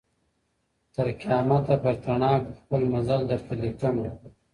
تر قیامته پر تڼاکو خپل مزل درته لیکمه .